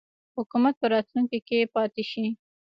حکومت په راتلونکي کې پاته شي.